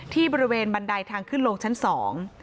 ที่บริเวณบันไดทางขึ้นลงชั้นสอง